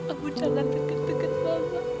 aku jangan deket deket mama